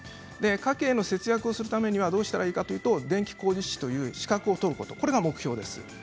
家計の節約をする面でどうすればいいかというと電気工事士という資格を取るこれが目標です。